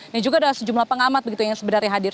dan juga ada sejumlah pengamat yang sebenarnya hadir